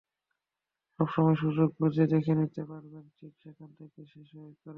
পরে সময়-সুযোগ বুঝে দেখে নিতে পারবেন ঠিক যেখান থেকে শেষ করেছিলেন।